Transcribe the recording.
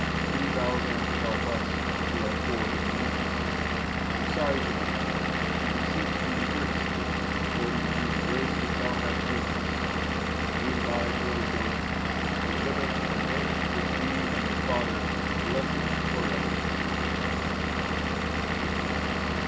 Do Thou, then, help us, who are poor and needy, who sigh to Thee, and beseech Thee earnestly, according to the grace which Thou hast given us, through Thy Holy Ghost, who liveth and reigneth with Thee and the Father, blessed forever. Amen.